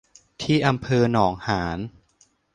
ที่อำเภอหนองหาน